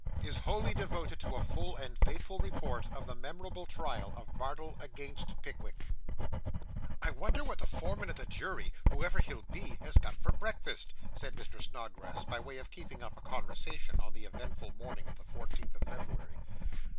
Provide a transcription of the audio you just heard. IS WHOLLY DEVOTED TO A FULL AND FAITHFUL REPORT OF THE MEMORABLE TRIAL OF BARDELL AGAINST PICKWICK I wonder what the foreman of the jury, whoever he'll be, has got for breakfast,' said Mr. Snodgrass, by way of keeping up a conversation on the eventful morning of the fourteenth of February.